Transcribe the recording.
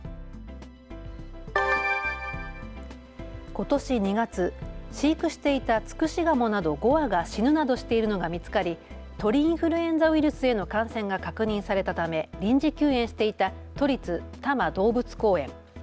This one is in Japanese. ことし２月、飼育していたツクシガモなど５羽が死ぬなどしているのが見つかり鳥インフルエンザウイルスへの感染が確認されたため臨時休園していた都立多摩動物公園。